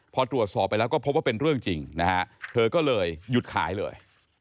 พอตรวจสอบไปแล้วก็พบว่าเป็นเรื่องจริงนะฮะเธอก็เลยหยุดขายเลย